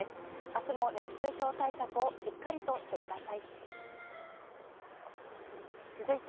明日も熱中症対策をしっかりとしてください。